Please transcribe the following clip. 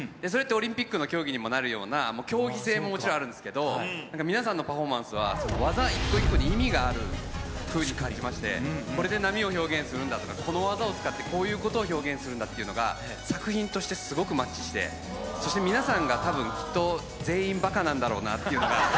それってオリンピックの競技にもなるような、競技性ももちろんあるんですけど、なんか皆さんのパフォーマンスは、その技一個一個に意味があるふうに感じまして、これで波を表現するんだとか、この技を使って、こういうことを表現するんだっていうのが、作品として、すごくマッチして、そして皆さんがたぶん、きっと全員、ばかなんだろうなっていうのが。